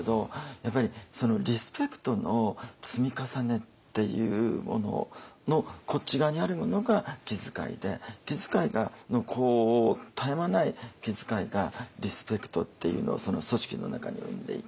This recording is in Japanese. やっぱりリスペクトの積み重ねっていうもののこっち側にあるものが気遣いで気遣いの絶え間ない気遣いがリスペクトっていうのを組織の中に生んでいき